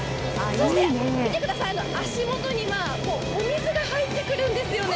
見てください、足元にはお水が入ってくるんですよね、